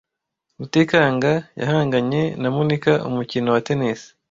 Rutikanga yahanganye na Monika umukino wa tennis.